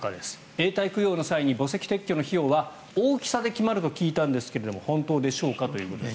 永代供養の際に墓石撤去の費用は大きさで決まると聞いたんですが本当でしょうかということです。